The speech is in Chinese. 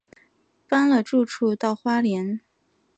搬了住处到花莲